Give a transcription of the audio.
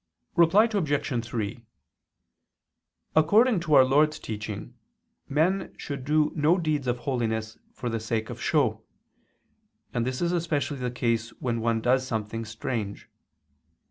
Reply Obj. 3: According to our Lord's teaching men should do no deeds of holiness for the sake of show: and this is especially the case when one does something strange.